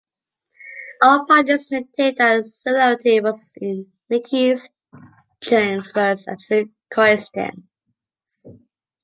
All parties maintained that the similarity was, in Nicky Chinn's words, "absolute coincidence".